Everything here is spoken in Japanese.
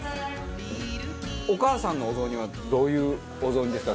お義母さんのお雑煮はどういうお雑煮ですか？